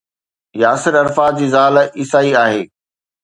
Yasir Arafat جي زال عيسائي آهي.